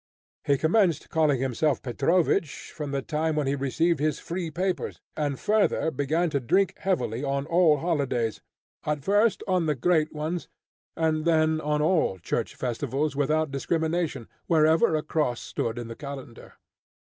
He commenced calling himself Petrovich from the time when he received his free papers, and further began to drink heavily on all holidays, at first on the great ones, and then on all church festivals without discrimination, wherever a cross stood in the calendar.